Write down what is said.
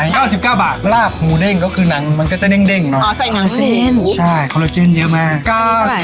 ร้อยห้าสิบเก้าบาทนี่อันนี้ก็จะเป็นซิกเนเจอร์อีกหนึ่งเมนู